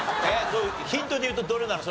ヒントでいうとどれなの？